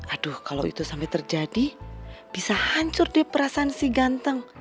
aduh kalau itu sampai terjadi bisa hancur di perasaan si ganteng